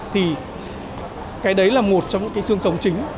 thì cái đấy là một trong những cái xương sống chính